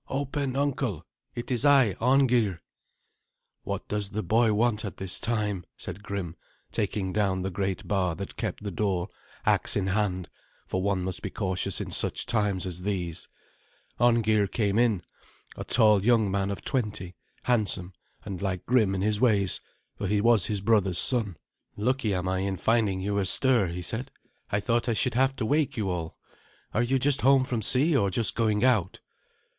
"Open, uncle; it is I, Arngeir." "What does the boy want at this time?" said Grim, taking down the great bar that kept the door, axe in hand, for one must be cautious in such times as these. Arngeir came in a tall young man of twenty, handsome, and like Grim in ways, for he was his brother's son. "Lucky am I in finding you astir," he said. "I thought I should have had to wake you all. Are you just home from sea, or just going out?"